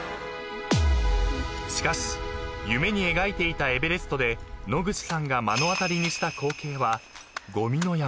［しかし夢に描いていたエベレストで野口さんが目の当たりにした光景はごみの山］